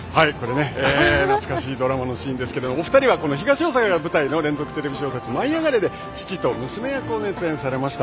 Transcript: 懐かしいドラマのシーンですけどお二人は東大阪が舞台の連続テレビ小説で「舞いあがれ！」で父と娘役を熱演されました。